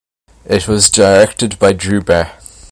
It was directed by Drew Barr.